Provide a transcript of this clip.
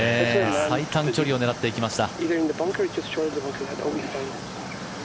最短距離を狙っていきました。